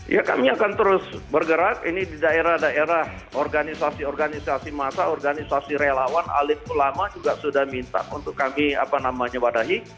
ya kami akan terus bergerak ini di daerah daerah organisasi organisasi masa organisasi relawan alit ulama juga sudah minta untuk kami apa namanya wadahi